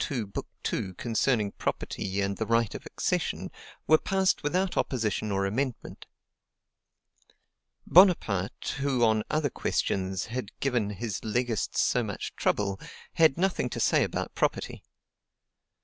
II., Book 2, concerning property and the right of accession, were passed without opposition or amendment. Bonaparte, who on other questions had given his legists so much trouble, had nothing to say about property.